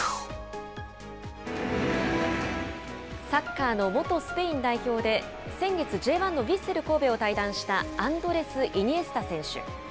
サッカーの元スペイン代表で、先月、Ｊ１のヴィッセル神戸を退団した、アンドレス・イニエスタ選手。